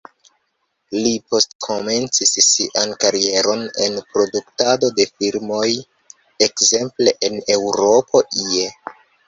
Li poste komencis sian karieron en produktado de filmoj, ekzemple en En Eŭropo ie.